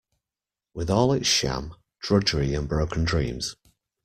With all its sham, drudgery and broken dreams